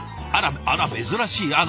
あらあら珍しい。